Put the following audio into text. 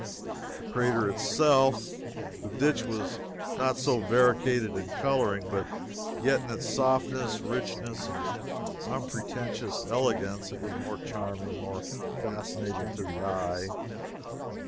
The crater itself the ditch was not so variegated in coloring, but yet, in its softness, richness, and unpretentious elegance, it was more charming, more fascinating to the eye.